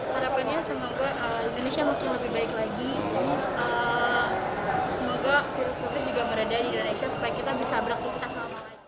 harapannya semoga indonesia makin lebih baik lagi semoga virus covid juga meredah di indonesia supaya kita bisa beraktivitas selama ini